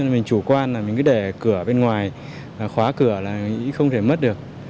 mình chủ quan là mình cứ để cửa bên ngoài khóa cửa là nghĩ không thể mất được